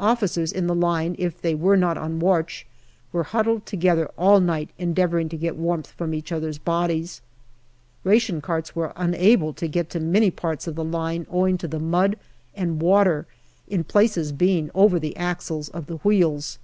Officers in the line, if they were not on watch, were huddled together all night en deavouring to get warmth from each other's bodies. Ration carts were unable to get to many parts of the line owing to the mud and water in places being over the axles of the wheels.